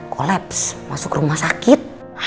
kolaps masuk rumah sakit